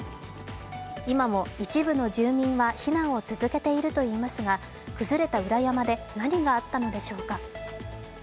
今も一部の住民は避難を続けているといいますが崩れた裏山で何があったのでしょうか。